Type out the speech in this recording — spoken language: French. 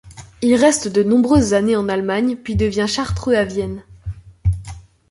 Il reste de nombreuses années en Allemagne puis devient chartreux à Vienne.